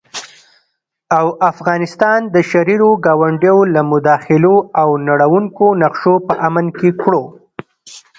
او افغانستان د شريرو ګاونډيو له مداخلو او نړوونکو نقشو په امن کې کړو